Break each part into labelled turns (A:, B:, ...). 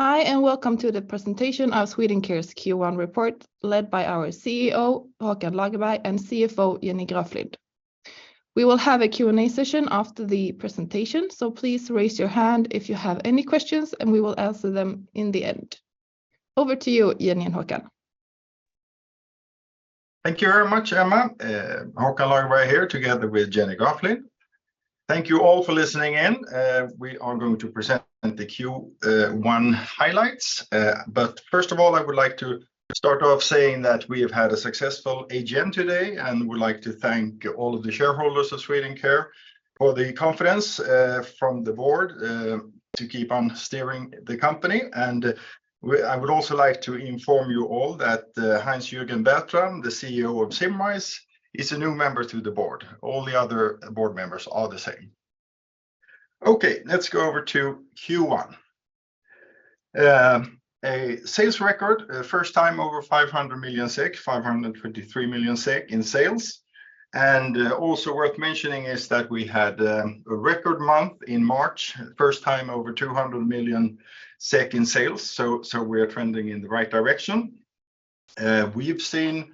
A: Hi. Welcome to the presentation of Swedencare's Q1 report led by our CEO Håkan Lagerberg and CFO Jenny Graflind. We will have a Q&A session after the presentation. Please raise your hand if you have any questions, and we will answer them in the end. Over to you, Jenny and Håkan.
B: Thank you very much, Emma. Håkan Lagerberg here together with Jenny Graflind. Thank you all for listening in. We are going to present the Q1 highlights. First of all, I would like to start off saying that we have had a successful AGM today, and we'd like to thank all of the shareholders of Swedencare for the confidence from the board to keep on steering the company. I would also like to inform you all that Heinz-Jürgen Bertram, the CEO of Symrise, is a new member to the board. All the other board members are the same. Okay. Let's go over to Q1. A sales record, first time over 500 million SEK, 523 million SEK in sales. Also worth mentioning is that we had a record month in March, first time over 200 million in sales. We're trending in the right direction. We've seen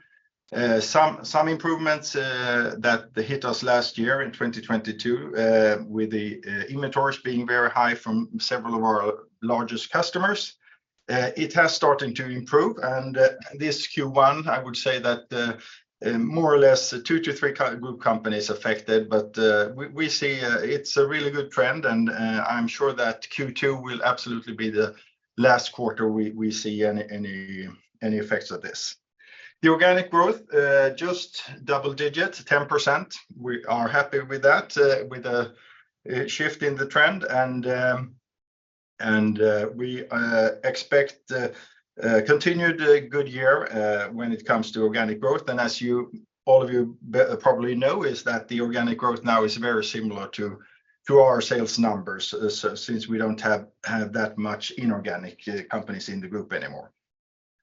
B: some improvements that hit us last year in 2022 with the inventories being very high from several of our largest customers. It has started to improve. This Q1, I would say that more or less two to three group companies affected, but we see it's a really good trend, and I'm sure that Q2 will absolutely be the last quarter we see any effects of this. The organic growth, just double digits, 10%. We are happy with that with the shift in the trend. We expect a continued good year when it comes to organic growth. As you, all of you probably know is that the organic growth now is very similar to our sales numbers since we don't have that much inorganic companies in the group anymore.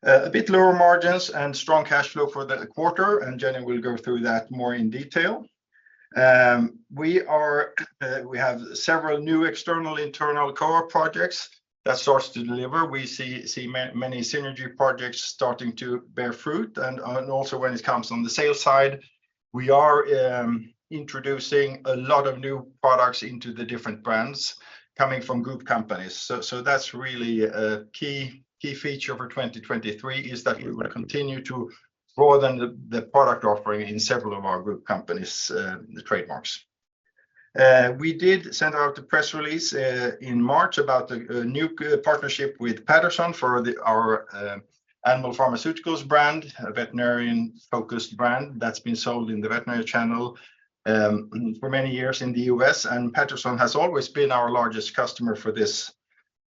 B: A bit lower margins and strong cash flow for the quarter. Jenny will go through that more in detail. We have several new external internal core projects that starts to deliver. We see many synergy projects starting to bear fruit. Also when it comes on the sales side, we are introducing a lot of new products into the different brands coming from group companies. That's really a key feature for 2023, is that we will continue to broaden the product offering in several of our group companies, trademarks. We did send out a press release in March about a new partnership with Patterson for our Animal Pharmaceuticals brand, a veterinarian-focused brand that's been sold in the veterinary channel for many years in the U.S. Patterson has always been our largest customer for this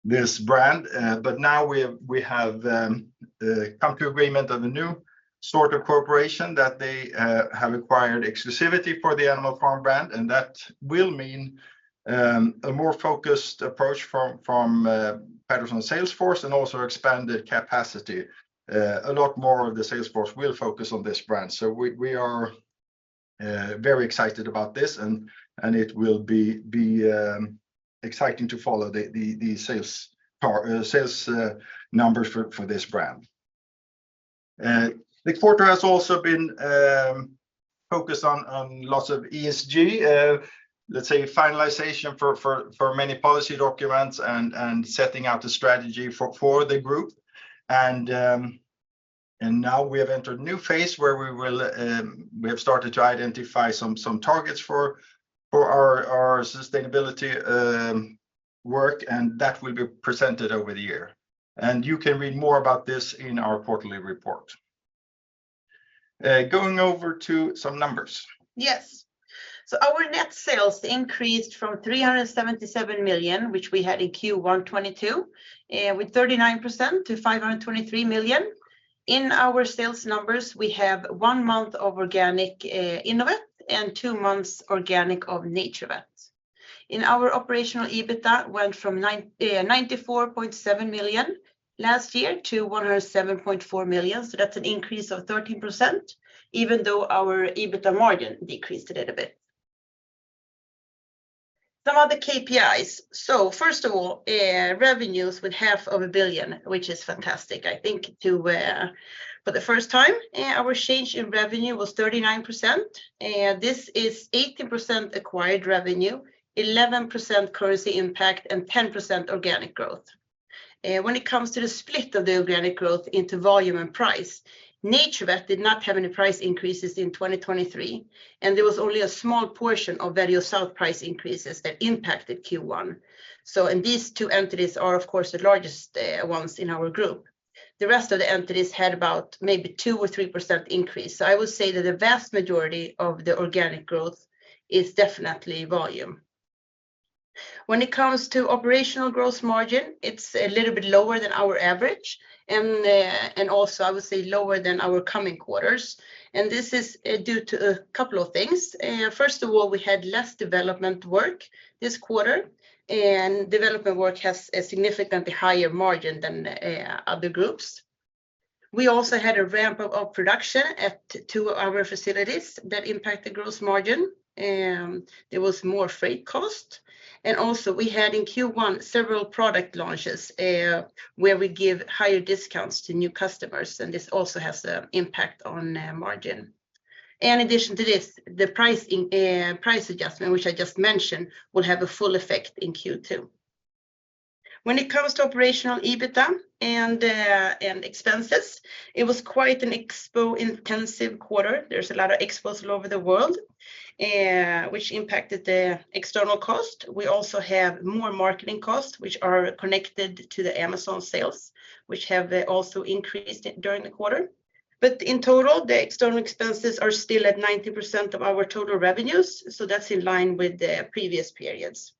B: brand. But now we have come to agreement on a new sort of cooperation that they have acquired exclusivity for the Animal Pharm brand. That will mean a more focused approach from Patterson's sales force and also expanded capacity. A lot more of the sales force will focus on this brand. We are very excited about this, and it will be exciting to follow the sales numbers for this brand. The quarter has also been focused on lots of ESG, let's say finalization for many policy documents and setting out the strategy for the group. Now we have entered a new phase where we will, we have started to identify some targets for our sustainability work, and that will be presented over the year. You can read more about this in our quarterly report. Going over to some numbers.
C: Yes. Our net sales increased from 377 million, which we had in Q1 2022, with 39% to 523 million. In our sales numbers, we have one month of organic Innovet and two months organic of NaturVet. Our operational EBITDA went from 94.7 million last year to 107.4 million, so that's an increase of 13%, even though our EBITDA margin decreased a little bit. Some of the KPIs. First of all, revenues with 0.5 billion, which is fantastic, I think, to for the first time. Our change in revenue was 39%. This is 18% acquired revenue, 11% currency impact, and 10% organic growth. When it comes to the split of the organic growth into volume and price, NaturVet did not have any price increases in 2023, and there was only a small portion of value south price increases that impacted Q1. These two entities are of course the largest ones in our group. The rest of the entities had about maybe 2% or 3% increase. I would say that the vast majority of the organic growth is definitely volume. When it comes to operational gross margin, it's a little bit lower than our average and also I would say lower than our coming quarters, and this is due to a couple of things. First of all, we had less development work this quarter, development work has a significantly higher margin than other groups. We also had a ramp up of production at two of our facilities that impact the gross margin. There was more freight cost. Also we had in Q1 several product launches, where we give higher discounts to new customers, and this also has a impact on margin. In addition to this, the price adjustment, which I just mentioned, will have a full effect in Q2. When it comes to operational EBITDA and expenses, it was quite an expo-intensive quarter. There's a lot of expos all over the world, which impacted the external cost. We also have more marketing costs which are connected to the Amazon sales, which have also increased during the quarter. In total, the external expenses are still at 90% of our total revenues, that's in line with the previous periods.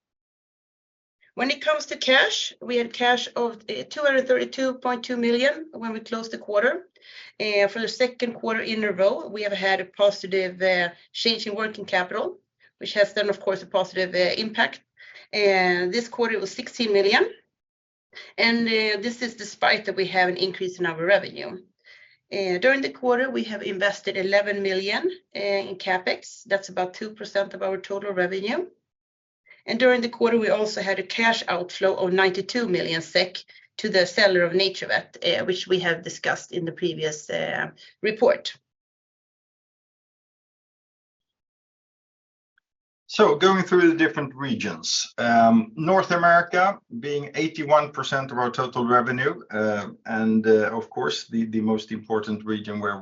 C: When it comes to cash, we had cash of 232.2 million when we closed the quarter. For the second quarter in a row, we have had a positive change in working capital, which has, of course, a positive impact. This quarter was 16 million, this is despite that we have an increase in our revenue. During the quarter, we have invested 11 million in CapEx. That's about 2% of our total revenue. During the quarter, we also had a cash outflow of 92 million SEK to the seller of NaturVet, which we have discussed in the previous report.
B: Going through the different regions, North America being 81% of our total revenue, and of course, the most important region where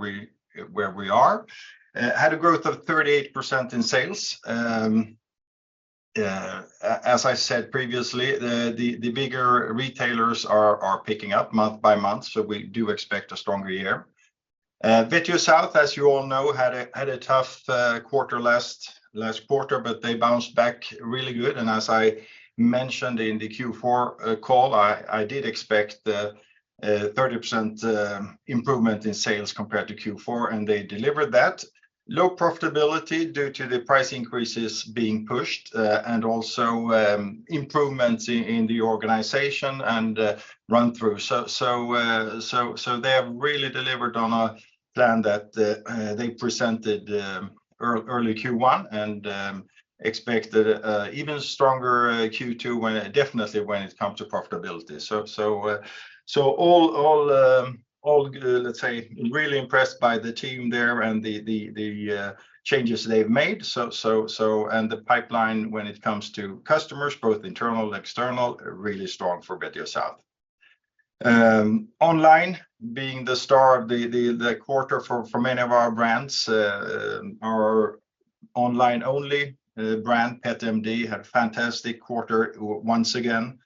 B: we are, had a growth of 38% in sales. As I said previously, the bigger retailers are picking up month by month, so we do expect a stronger year. Vetio South, as you all know, had a tough quarter last quarter, but they bounced back really good. As I mentioned in the Q4 call, I did expect the 30% improvement in sales compared to Q4, and they delivered that. Low profitability due to the price increases being pushed, and also, improvements in the organization and run through. They have really delivered on a plan that they presented early Q1, and expect an even stronger Q2 when definitely when it comes to profitability. All, let's say really impressed by the team there and the changes they've made. The pipeline when it comes to customers, both internal and external, really strong for Vetio South. Online being the star of the quarter for many of our brands. Our online-only PetMD, had a fantastic quarter once again.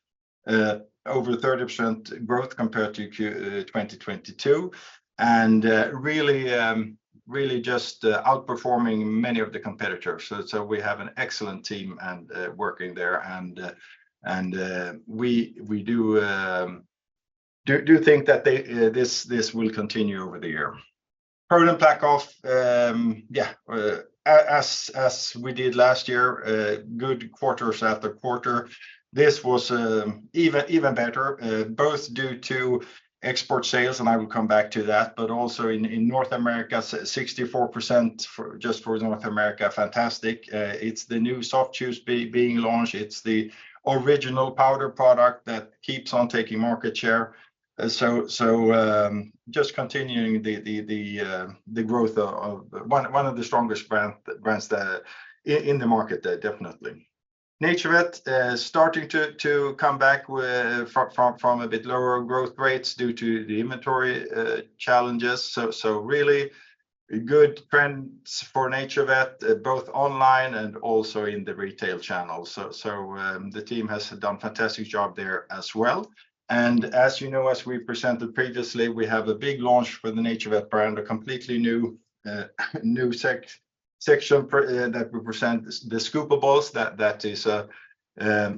B: Over 30% growth compared to Q 2022, really just outperforming many of the competitors. We have an excellent team and working there. We do think that this will continue over the year. ProDen PlaqueOff, yeah, as we did last year, good quarters after quarter, this was even better, both due to export sales, and I will come back to that, but also in North America, 64% for just for North America. Fantastic. It's the new soft chews being launched. It's the original powder product that keeps on taking market share. Just continuing the growth of one of the strongest brands in the market there, definitely. NaturVet, starting to come back with from a bit lower growth rates due to the inventory challenges. Really good trends for NaturVet, both online and also in the retail channel. The team has done fantastic job there as well. As you know, as we presented previously, we have a big launch for the NaturVet brand, a completely new section that we present the scoopables, that is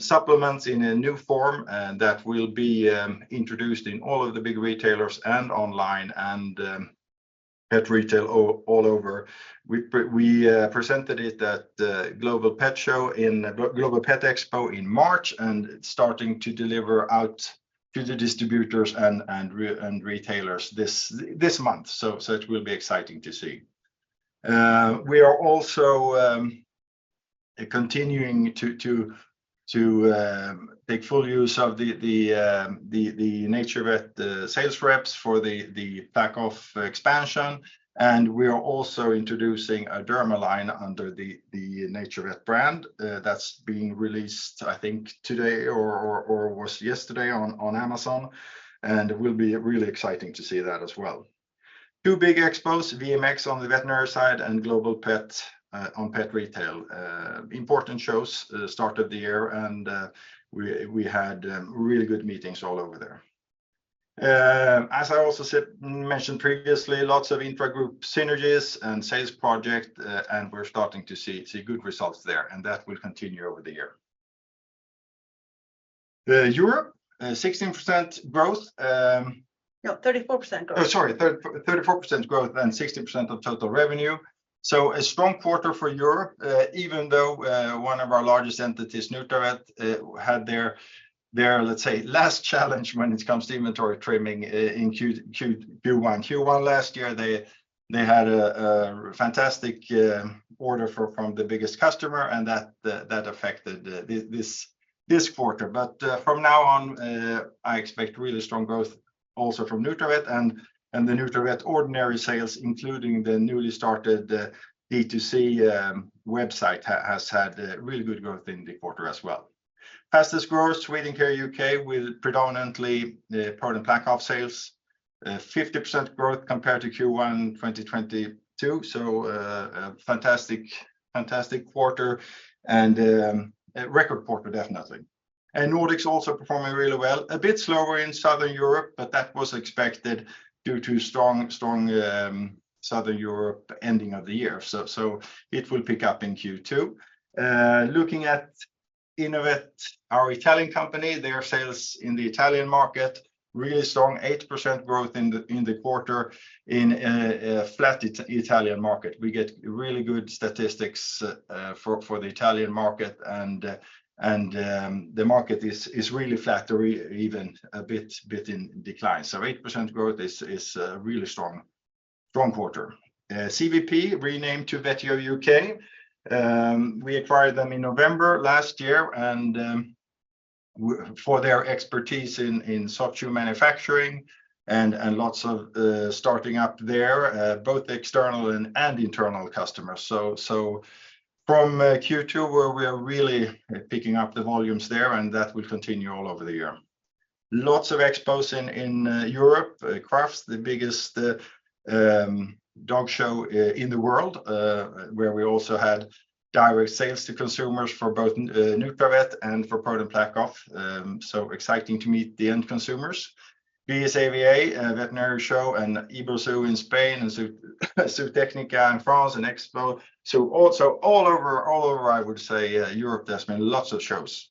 B: supplements in a new form, and that will be introduced in all of the big retailers and online and pet retail all over. We presented it at Global Pet Expo in March, and it's starting to deliver out to the distributors and retailers this month. It will be exciting to see. We are also continuing to make full use of the NaturVet sales reps for the PlaqueOff expansion. We are also introducing a derma line under the NaturVet brand that's being released, I think, today or was yesterday on Amazon. It will be really exciting to see that as well. Two big expos, VMX on the veterinary side and Global Pet on pet retail. Important shows at the start of the year, and we had really good meetings all over there. As I also said, mentioned previously, lots of intra-group synergies and sales project, and we're starting to see good results there, and that will continue over the year. Europe, 16% growth.
C: No, 34% growth.
B: Sorry. 34% growth and 16% of total revenue. A strong quarter for Europe, even though one of our largest entities, Nutravet, had their, let's say, last challenge when it comes to inventory trimming in Q1. Q1 last year, they had a fantastic order from the biggest customer and that affected this quarter. From now on, I expect really strong growth also from Nutravet. The Nutravet ordinary sales, including the newly started D2C website, has had really good growth in the quarter as well. Fastest growth, Swedencare U.K., with predominantly the ProDen PlaqueOff sales. 50% growth compared to Q1 2022, so a fantastic quarter and a record quarter definitely. Nordics also performing really well. A bit slower in Southern Europe, but that was expected due to strong Southern Europe ending of the year. It will pick up in Q2. Looking at Innovet, our Italian company, their sales in the Italian market, really strong. 8% growth in the quarter, in a flat Italian market. We get really good statistics for the Italian market and the market is really flat or even a bit in decline. Eight percent growth is a really strong quarter. CVP renamed to Vetio U.K.. We acquired them in November last year and for their expertise in soft chew manufacturing and lots of starting up there, both external and internal customers. From Q2, we're really picking up the volumes there and that will continue all over the year. Lots of expos in Europe. Crufts, the biggest dog show in the world, where we also had direct sales to consumers for both NaturVet and for ProDen PlaqueOff. Exciting to meet the end consumers. BSAVA, a veterinary show, and Iberzoo in Spain, and Zootechnica in France, and Expo. Also all over I would say, Europe, there's been lots of shows.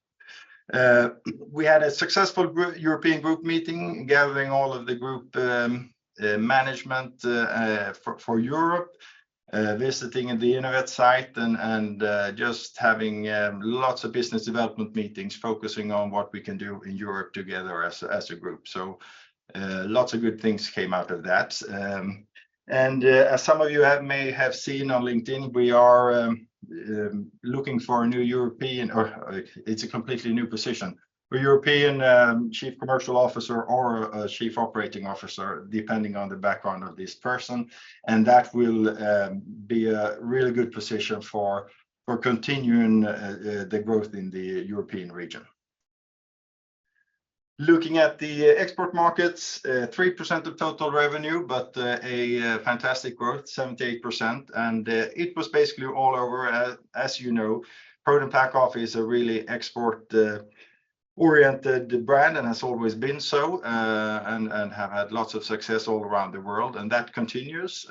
B: We had a successful European group meeting, gathering all of the group management for Europe. Visiting the Innovet site and just having lots of business development meetings, focusing on what we can do in Europe together as a group. Lots of good things came out of that. As some of you have, may have seen on LinkedIn, we are looking for a new European, or it's a completely new position, but European, chief commercial officer or a chief operating officer, depending on the background of this person. That will be a really good position for continuing the growth in the European region. Looking at the export markets, 3% of total revenue, but a fantastic growth, 78%. It was basically all over. As you know, ProDen PlaqueOff is a really export oriented brand and has always been so, and have had lots of success all around the world and that continues.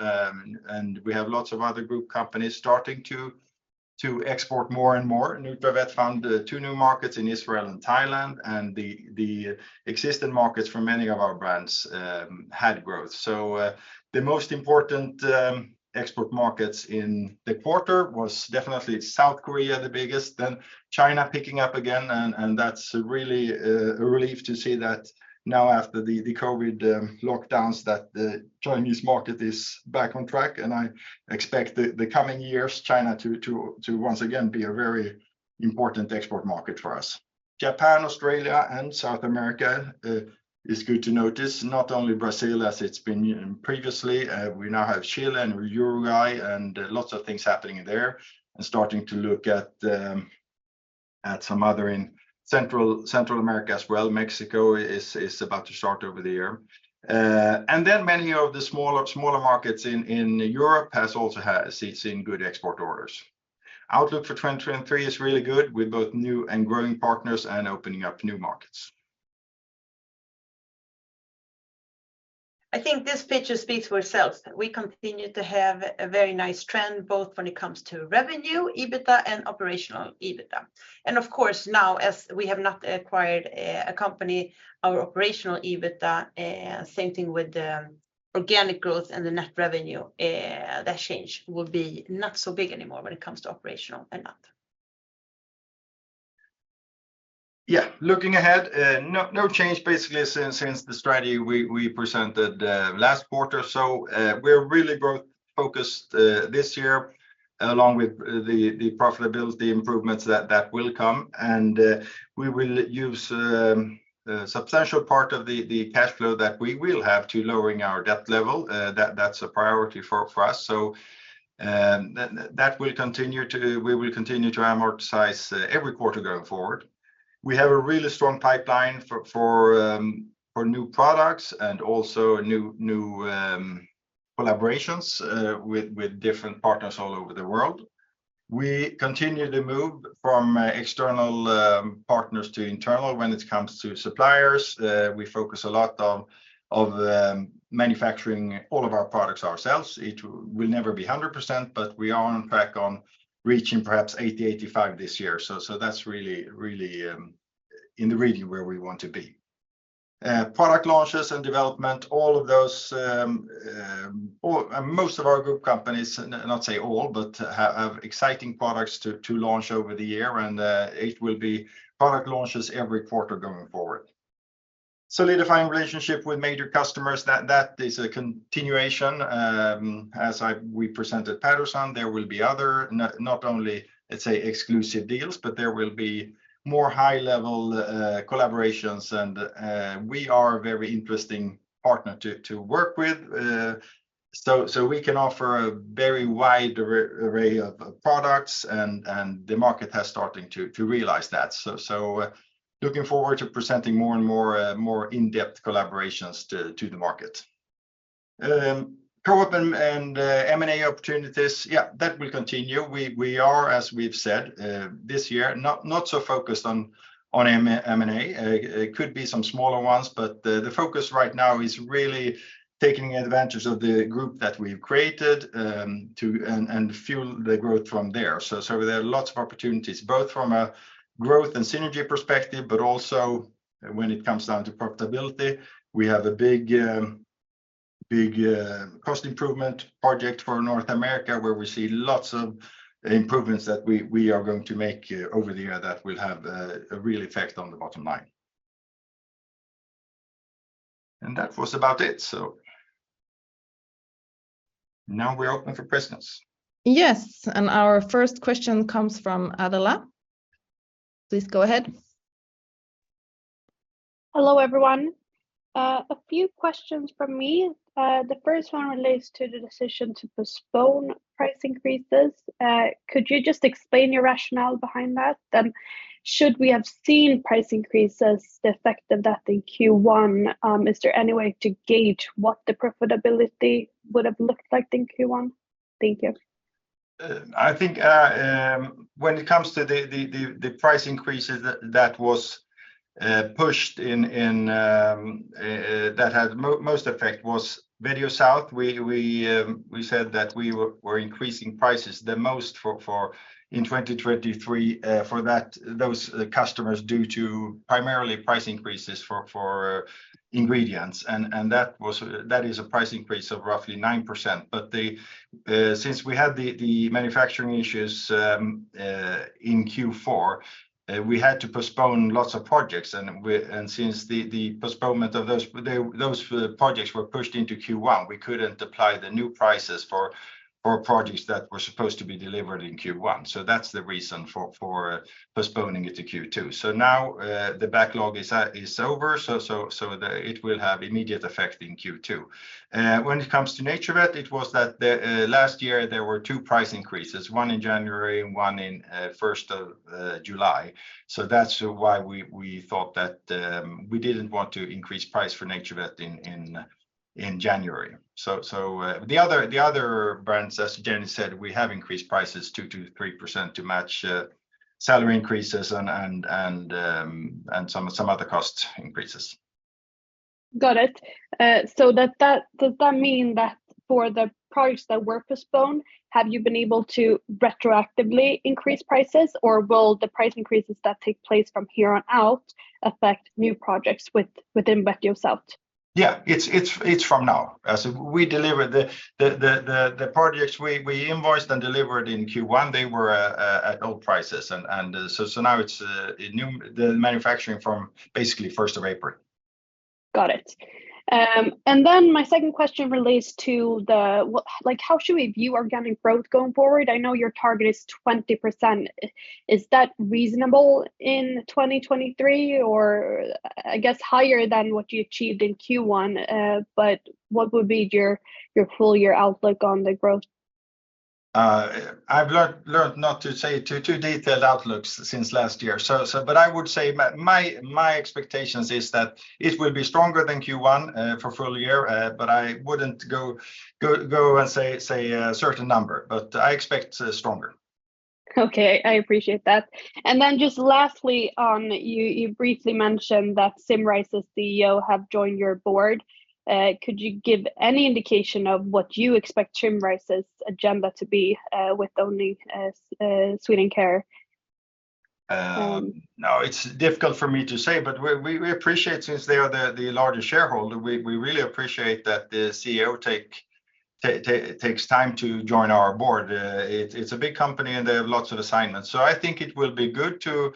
B: We have lots of other group companies starting to export more and more. NaturVet found two new markets in Israel and Thailand and the existing markets for many of our brands had growth. The most important export markets in the quarter was definitely South Korea the biggest, then China picking up again, and that's really a relief to see that now after the COVID lockdowns, that the Chinese market is back on track, and I expect the coming years, China to once again be a very important export market for us. Japan, Australia, and South America is good to notice, not only Brazil as it's been previously. We now have Chile and Uruguay and lots of things happening there. Starting to look at some other, in Central America as well. Mexico is about to start over the year. Many of the smaller markets in Europe has also seen good export orders. Outlook for 2023 is really good, with both new and growing partners and opening up new markets.
C: I think this picture speaks for itself. We continue to have a very nice trend, both when it comes to revenue, EBITDA, and operational EBITDA. Of course now, as we have not acquired a company, our operational EBITDA, same thing with organic growth and the net revenue, that change will be not so big anymore when it comes to operational and not.
B: Yeah. Looking ahead, no change basically since the strategy we presented last quarter. We're really growth focused this year, along with the profitability improvements that will come. We will use a substantial part of the cash flow that we will have to lowering our debt level. That's a priority for us. We will continue to amortize every quarter going forward. We have a really strong pipeline for new products and also new collaborations with different partners all over the world. We continue to move from external partners to internal when it comes to suppliers. We focus a lot on the manufacturing all of our products ourselves. It will never be 100%, but we are on track on reaching perhaps 80%, 85% this year. That's really in the region where we want to be. Product launches and development, all of those, or most of our group companies, not say all, but have exciting products to launch over the year. It will be product launches every quarter going forward. Solidifying relationship with major customers, that is a continuation, as we presented Patterson, there will be other, not only let's say exclusive deals, but there will be more high level collaborations and we are very interesting partner to work with. So we can offer a very wide array of products and the market has starting to realize that. Looking forward to presenting more and more, more in-depth collaborations to the market. Co-op and M&A opportunities. Yeah, that will continue. We are, as we've said, this year, not so focused on M&A. It could be some smaller ones, but the focus right now is really taking advantage of the group that we've created, and fuel the growth from there. There are lots of opportunities both from a growth and synergy perspective, but also when it comes down to profitability. We have a big, big cost improvement project for North America, where we see lots of improvements that we are going to make over the year that will have a real effect on the bottom line. That was about it. Now we're open for questions.
A: Yes. Our first question comes from Adela. Please go ahead.
D: Hello, everyone. A few questions from me. The first one relates to the decision to postpone price increases. Could you just explain your rationale behind that? Should we have seen price increases, the effect of that in Q1? Is there any way to gauge what the profitability would've looked like in Q1? Thank you.
B: I think when it comes to the price increases that was pushed in that had most effect was Vetio South. We said that we were increasing prices the most for in 2023 for that, those customers due to primarily price increases for ingredients. That is a price increase of roughly 9%. Since we had the manufacturing issues in Q4, we had to postpone lots of projects and since the postponement of those projects were pushed into Q1, we couldn't apply the new prices for projects that were supposed to be delivered in Q1. That's the reason for postponing it to Q2. Now the backlog is over. It will have immediate effect in Q2. When it comes to NaturVet, it was that the last year there were two price increases, one in January and one in first of July. That's why we thought that we didn't want to increase price for NaturVet in January. The other brands, as Jenny said, we have increased prices 2%-3% to match salary increases and some other cost increases.
D: Got it. Does that mean that for the projects that were postponed, have you been able to retroactively increase prices, or will the price increases that take place from here on out affect new projects within Vetio South?
B: Yeah, it's from now. As we delivered the projects we invoiced and delivered in Q1, they were at old prices. Now it's the manufacturing from basically first of April.
D: Got it. My second question relates to like how should we view organic growth going forward? I know your target is 20%. Is that reasonable in 2023, or I guess higher than what you achieved in Q1? What would be your full year outlook on the growth?
B: I've learned not to say too detailed outlooks since last year. I would say my expectations is that it will be stronger than Q1 for full year. I wouldn't go and say a certain number, but I expect stronger.
D: Okay. I appreciate that. just lastly on, you briefly mentioned that Symrise's CEO have joined your board. could you give any indication of what you expect Symrise's agenda to be, with only, Swedencare?
B: No, it's difficult for me to say, but we appreciate since they are the largest shareholder, we really appreciate that the CEO takes time to join our board. It's a big company and they have lots of assignments. I think it will be good to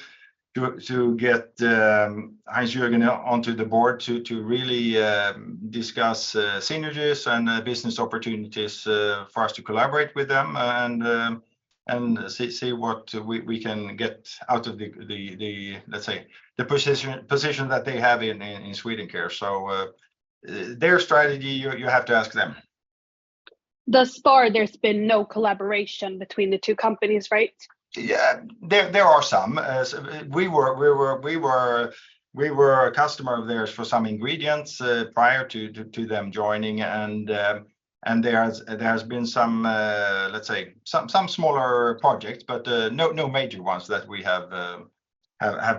B: get Heinz-Jürgen onto the board to really discuss synergies and business opportunities for us to collaborate with them and see what we can get out of the, let's say, the position that they have in Swedencare. Their strategy, you have to ask them.
D: Thus far, there's been no collaboration between the two companies, right?
B: Yeah. There are some. We were a customer of theirs for some ingredients, prior to them joining. There has been some, let's say some smaller projects, but no major ones that we have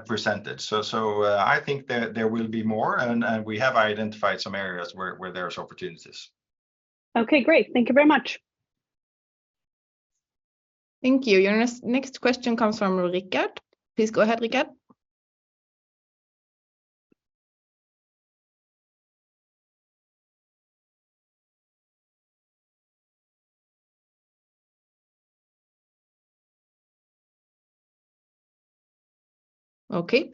B: presented. I think there will be more and we have identified some areas where there's opportunities.
D: Okay, great. Thank you very much.
A: Thank you. Your next question comes from Rickard. Please go ahead, Rickard.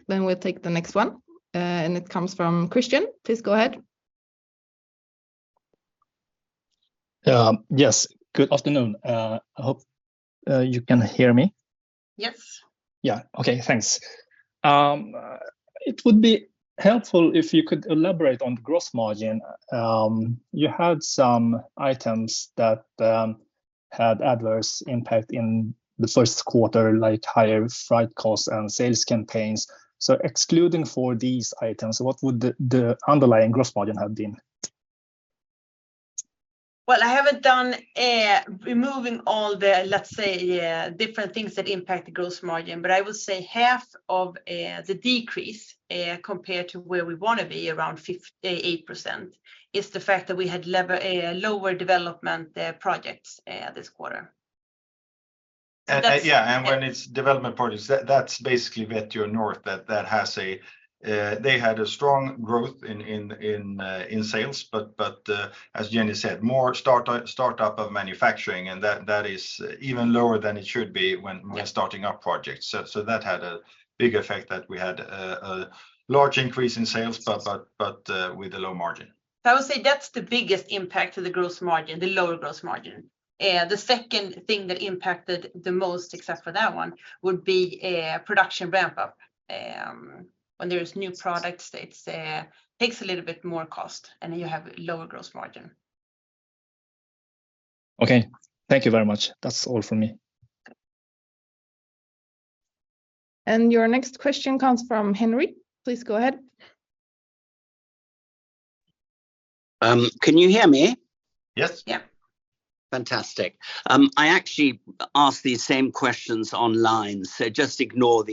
A: We'll take the next one. It comes from Christian. Please go ahead.
E: Yes, good afternoon. I hope you can hear me.
C: Yes.
E: Yeah. Okay, thanks. It would be helpful if you could elaborate on gross margin. You had some items that had adverse impact in the first quarter, like higher freight costs and sales campaigns. Excluding for these items, what would the underlying gross margin have been?
C: Well, I haven't done removing all the, let's say, different things that impact the gross margin, but I will say half of the decrease, compared to where we wanna be, around 8%, is the fact that we had lower development projects this quarter.
B: Yeah, and when it's development projects, that's basically Vetio North that has a. They had a strong growth in sales, but as Jenny said, more startup of manufacturing, and that is even lower than it should be when-
C: Yeah...
B: we're starting our project. That had a big effect that we had a large increase in sales, but with a low margin.
C: I would say that's the biggest impact to the gross margin, the lower gross margin. The second thing that impacted the most, except for that one, would be production ramp up. When there's new products, that's takes a little bit more cost, and you have lower gross margin.
E: Okay. Thank you very much. That's all for me.
A: Your next question comes from Henry. Please go ahead.
F: Can you hear me?
B: Yes.
C: Yeah.
F: Fantastic. I actually asked these same questions online, so just ignore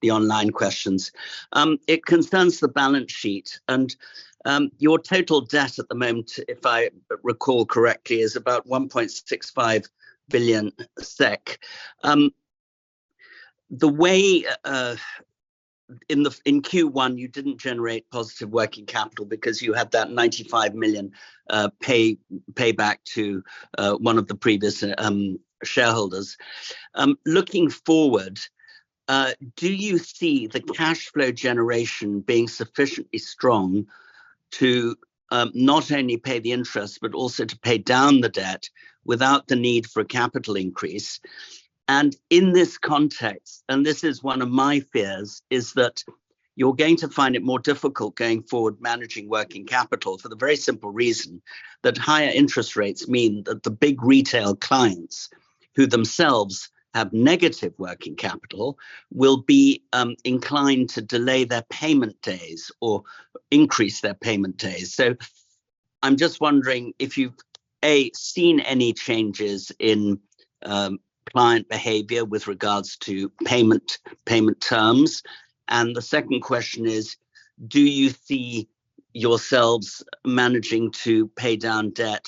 F: the online questions. It concerns the balance sheet, your total debt at the moment, if I recall correctly, is about 1.65 billion SEK. The way in Q1, you didn't generate positive working capital because you had that 95 million pay back to one of the previous shareholders. Looking forward, do you see the cash flow generation being sufficiently strong to not only pay the interest but also to pay down the debt without the need for a capital increase? In this context, and this is one of my fears, is that you're going to find it more difficult going forward managing working capital for the very simple reason that higher interest rates mean that the big retail clients, who themselves have negative working capital, will be inclined to delay their payment days or increase their payment days. I'm just wondering if you've, A, seen any changes in client behavior with regards to payment terms, and the second question is, do you see yourselves managing to pay down debt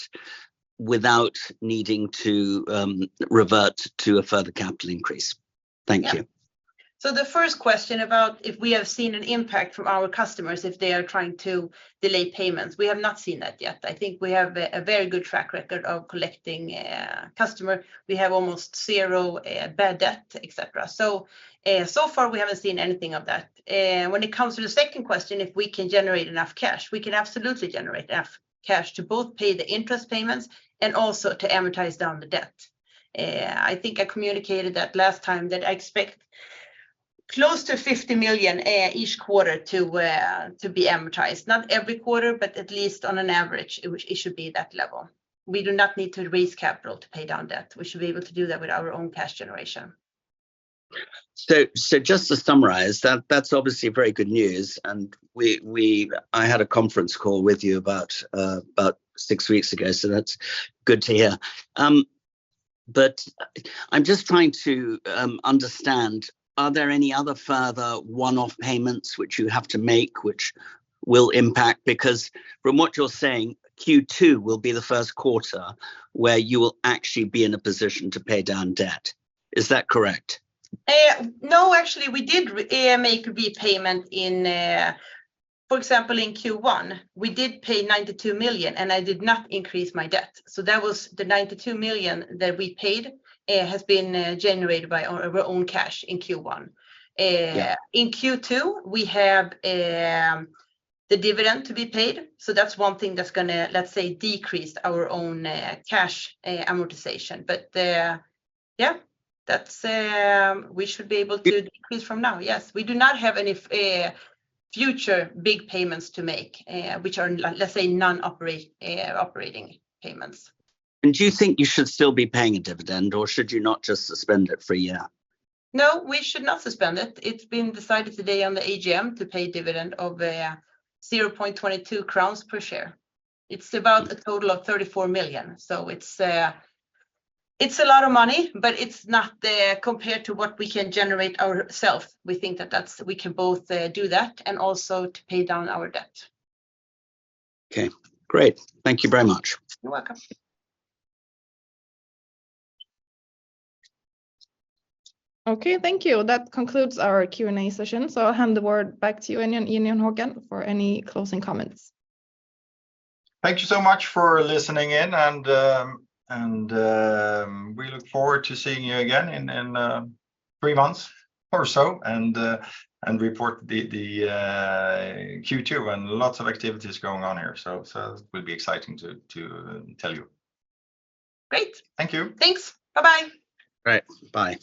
F: without needing to revert to a further capital increase? Thank you.
C: Yeah. The first question about if we have seen an impact from our customers, if they are trying to delay payments. We have not seen that yet. I think we have a very good track record of collecting customer. We have almost zero bad debt, et cetera. Far we haven't seen anything of that. When it comes to the second question, if we can generate enough cash, we can absolutely generate enough cash to both pay the interest payments and also to amortize down the debt. I think I communicated that last time that I expect close to 50 million each quarter to be amortized. Not every quarter, but at least on an average, it should be that level. We do not need to raise capital to pay down debt. We should be able to do that with our own cash generation.
F: Just to summarize, that's obviously very good news, and we. I had a conference call with you about six weeks ago, so that's good to hear. I'm just trying to understand, are there any other further one-off payments which you have to make which will impact? From what you're saying, Q2 will be the first quarter where you will actually be in a position to pay down debt. Is that correct?
C: No, actually, we did make repayment, for example, in Q1. We did pay 92 million, and I did not increase my debt. That was the 92 million that we paid has been generated by our own cash in Q1.
F: Yeah...
C: in Q2, we have the dividend to be paid, that's one thing that's gonna, let's say, decrease our own cash amortization. yeah, that's.... decrease from now, yes. We do not have any future big payments to make, which are let's say, operating payments.
F: Do you think you should still be paying a dividend, or should you not just suspend it for a year?
C: No, we should not suspend it. It's been decided today on the AGM to pay dividend of 0.22 crowns per share. It's about a total of 34 million, so it's a lot of money, but it's not compared to what we can generate ourselves. We think that's, we can both do that and also to pay down our debt.
F: Okay, great. Thank you very much.
C: You're welcome.
A: Okay, thank you. That concludes our Q&A session. I'll hand the word back to you, Håkan, for any closing comments.
B: Thank you so much for listening in, and, we look forward to seeing you again in three months or so and report the, Q2. Lots of activities going on here, so it will be exciting to tell you.
C: Great.
B: Thank you.
C: Thanks. Bye-bye.
B: Great. Bye.